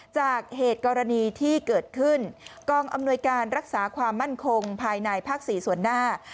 จากเหตุกรณีที่เกิดขึ้นกองอำนวยการรักษาความมั่นคงภายในภาค๔ส่วนหน้า